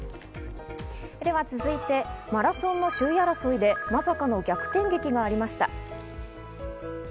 続いてマラソンの首位争いでまさかの逆転劇がありました。